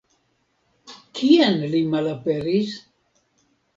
Kien li malaperis?